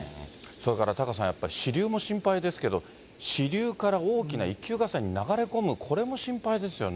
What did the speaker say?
それからタカさん、やっぱり支流も心配ですけど、支流から大きな一級河川に流れ込む、これも心配ですよね。